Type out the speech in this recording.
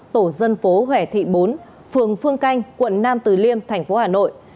tổ dân phố hẻ thị bốn phường phương canh quận nam từ liêm thành phố hà nội